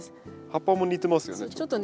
葉っぱも似てますよね。